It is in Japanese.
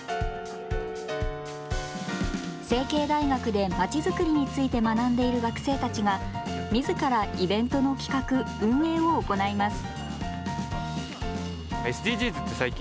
成蹊大学でまちづくりについて学んでいる学生たちがみずからイベントの企画、運営を行います。